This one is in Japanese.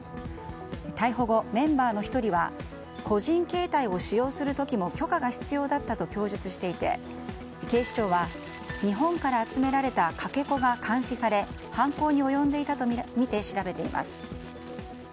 逮捕後、メンバーの１人は個人携帯を使用する時も許可が必要だったと供述していて警視庁は、日本から集められたかけ子が監視され犯行に及んでいたとみて調べています。